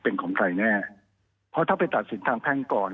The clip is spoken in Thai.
เป็นของใครแน่เพราะถ้าไปตัดสินทางแพ่งก่อน